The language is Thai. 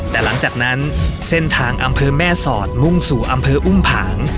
แต่หลังจากนั้นเส้นทางอำเภอแม่สอดมุ่งสู่อำเภออุ้มผาง